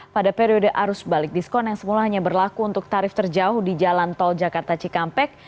pada periode arus balik diskon yang semula hanya berlaku untuk tarif terjauh di jalan tol jakarta cikampek